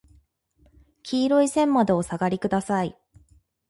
黄色い線までお下りください。